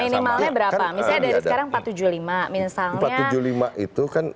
minimalnya berapa misalnya dari sekarang